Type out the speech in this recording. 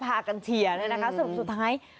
พากันเชียร์ด้วยนะคะสรุปสุดท้าย